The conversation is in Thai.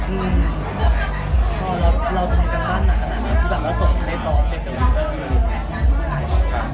แล้วคุณกำลังที่ส่งงานได้ต่อเพลงก็ดูดูดี